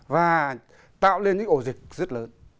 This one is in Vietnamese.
và tạo nên những ổ dịch rất lớn